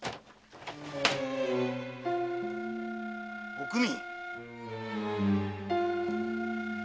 おくみ。